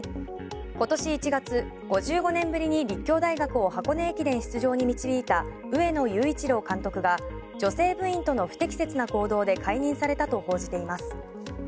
今年１月、５５年ぶりに立教大学を箱根駅伝出場に導いた上野裕一郎監督が女性部員との不適切な行動で解任されたと報じています。